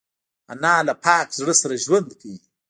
انا له پاک زړه سره ژوند کوي